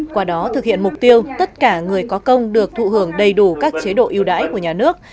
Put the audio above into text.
qua đó thực hiện mục tiêu tất cả người có công được thụ hưởng đầy đủ các chế độ yêu đãi của nhà nước